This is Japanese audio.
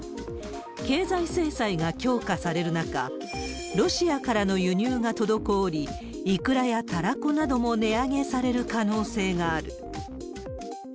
経済制裁が強化される中、ロシアからの輸入が滞り、イクラやタラコなども値上げされる可能性がある。